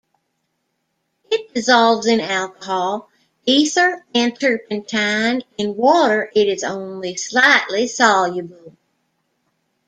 It dissolves in alcohol, ether and turpentine; in water it is only slightly soluble.